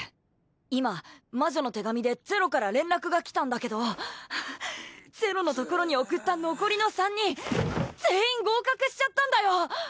今魔女の手紙でゼロから連絡が来たんだけどゼロのところに送った残りの３人全員合格しちゃったんだよ！